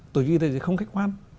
tổ chức y tế thế giới không khách quan